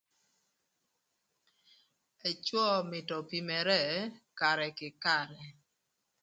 Ëcwö mïtö opimere karë kï karë